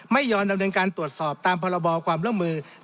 ไม่ยอดดำเนินการตรวจสอบตามภาระบอบความเรื่องมือ